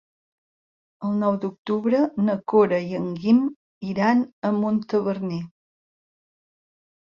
El nou d'octubre na Cora i en Guim iran a Montaverner.